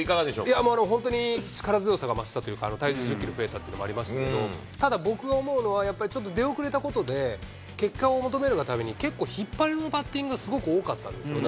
いや本当に、力強さが増したというか、体重１０キロ増えたっていうのもありましたけれども、ただ僕が思うのは、やっぱりちょっと出遅れたことで、結果を求めるがために結構引っ張り気味のバッティングがすごく多かったんですよね。